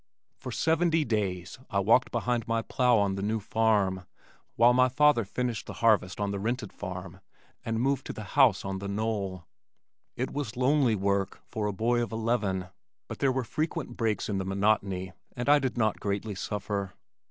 For seventy days I walked behind my plow on the new farm while my father finished the harvest on the rented farm and moved to the house on the knoll. It was lonely work for a boy of eleven but there were frequent breaks in the monotony and I did not greatly suffer.